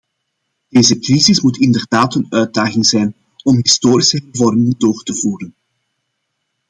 Deze crisis moet inderdaad een uitdaging zijn om historische hervormingen door te voeren.